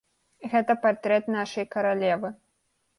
Гэта партрэт нашай каралевы!